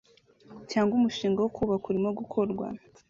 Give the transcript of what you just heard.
cyangwa umushinga wo kubaka urimo gukorwa